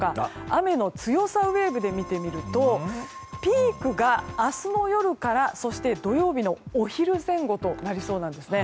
雨の強さウェーブで見てみるとピークが明日の夜からそして土曜日のお昼前後となりそうなんです。